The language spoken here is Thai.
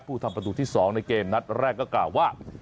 ทำประตูที่๒ในเกมนัดแรกก็กล่าวว่า